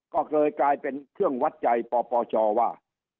ก็เลยกลายเป็นเครื่องวัดใจปปชว่า